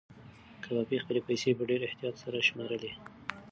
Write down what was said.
کبابي خپلې پیسې په ډېر احتیاط سره شمېرلې.